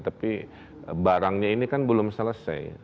tapi barangnya ini kan belum selesai